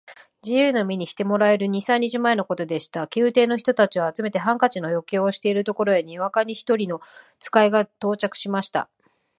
自由の身にしてもらえる二三日前のことでした。宮廷の人たちを集めて、ハンカチの余興をしているところへ、にわかに一人の使が到着しました。